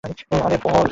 আরে, বল।